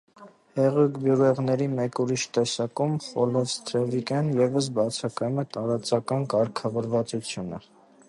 Հեղուկ բյուրեղների մեկ ուրիշ տեսակում՝ խոլևսթևրիկնևրում, ևս բացակայում է տարածական կարգավորվածությունը։